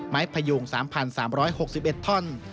พยุง๓๓๖๑ท่อน